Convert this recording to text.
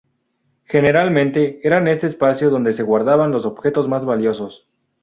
Generalmente era en este espacio donde se guardaban los objetos más valiosos.